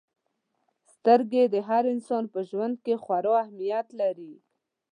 • سترګې د هر انسان په ژوند کې خورا اهمیت لري.